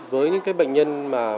với những cái bệnh nhân